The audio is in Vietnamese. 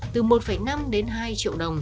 từ một năm đến hai triệu đồng